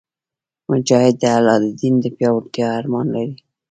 مجاهد د الله د دین د پیاوړتیا ارمان لري.